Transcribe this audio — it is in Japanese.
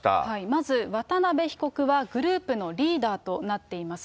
まず、渡辺被告はグループのリーダーとなっています。